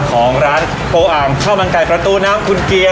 ของร้านโปอ่างข้าวมันไก่ประตูน้ำคุณเกียร์